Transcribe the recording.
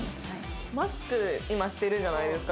マスクを今しているじゃないですか。